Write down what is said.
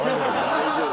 大丈夫？